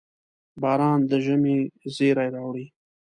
• باران د ژمي زېری راوړي.